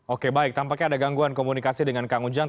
oke baik tampaknya ada gangguan komunikasi dengan kang ujang